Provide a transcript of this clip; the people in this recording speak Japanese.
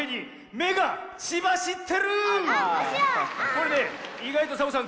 これねいがいとサボさん